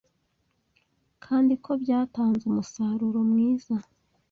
kandi ko byatanze umusaruro mwiza,